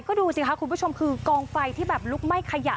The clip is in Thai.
ก็ดูสิค่ะคุณผู้ชมคือกองไฟที่แบบลุกไหม้ขยะ